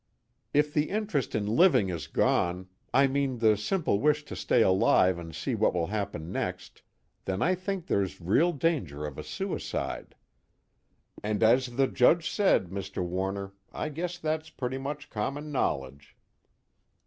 "If the interest in living is gone I mean the simple wish to stay alive and see what will happen next then I think there's real danger of a suicide. And as the Judge said, Mr. Warner, I guess that's pretty much common knowledge.